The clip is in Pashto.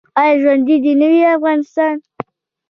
آیا ژوندی دې نه وي افغانستان؟